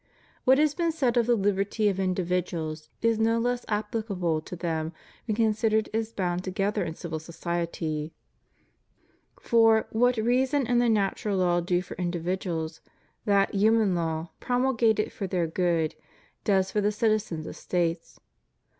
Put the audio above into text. What has been said of the Uberty of individuals is no less applicable to them when considered as bound to gether in civil society. For, what reason and the natural law do for individuals, that human law, promulgated for their good, does for the citizens of States.